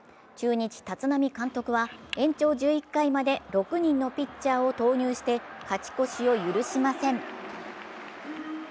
中日・立浪監督は延長１１回まで６人のピッチャーを投入して勝ち越しを許しません。